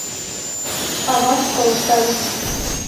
Авашт колыштале.